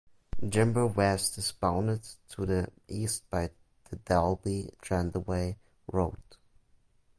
Jimbour West is bounded to the east by the Dalby Jandowae Road.